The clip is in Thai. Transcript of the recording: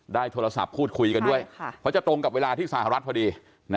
ได้โทรศัพท์พูดคุยกันด้วยเพราะจะตรงกับเวลาที่สหรัฐพอดี